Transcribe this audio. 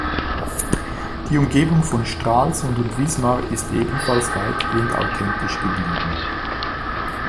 Die Umgebung von Stralsund und Wismar ist ebenfalls weitgehend authentisch geblieben.